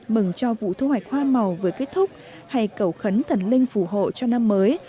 mừng cho vụ thu hoạch hoa màu vừa kết thúc hay cẩu khấn thần linh phù hộ cho năm mới